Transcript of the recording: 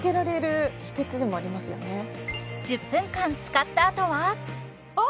１０分間使ったあとはあ！